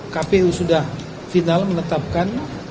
kpu sudah final menetapkan